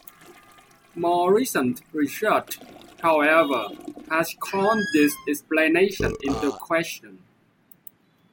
More recent research, however, has called this explanation into question.